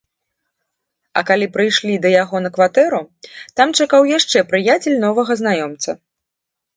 А калі прыйшлі да яго на кватэру, там чакаў яшчэ прыяцель новага знаёмца.